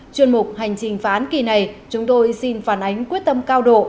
chuyên mục hành trình phá án kỳ này chúng tôi xin phản ánh quyết tâm cao độ